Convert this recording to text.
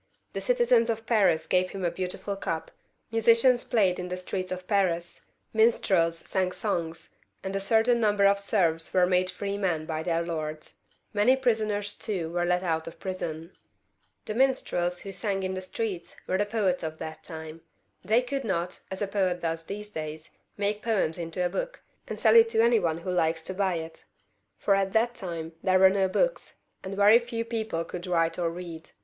The citizens of Paris gave him a beautiful cup, musicians played in the streets of Paris, minstrels sang songs, and a certain number of serfs were made free men by their lords. Many prisoners, too, were let out of prison. 110 LOUIS VIII. {LE LION). [CH. The minstrels who sang in the streets were the poets of that time. They could not, as a poet does in these days, make poems into a book, and sell it to any one who likes to buy it ; for at that time there were no books, and very few people who could write or read.